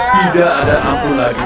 tidak ada ampu lagi